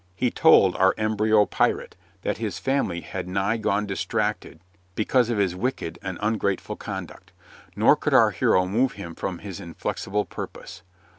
He told our embryo pirate that his family had nigh gone distracted because of his wicked and ungrateful conduct. Nor could our hero move him from his inflexible purpose.